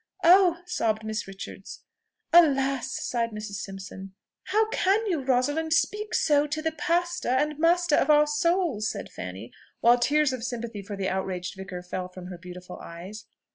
"Oh!" sobbed Miss Richards. "Alas!" sighed Mrs. Simpson. "How can you, Rosalind, speak so to the pastor and master of our souls?" said Fanny, while tears of sympathy for the outraged vicar fell from her beautiful eyes.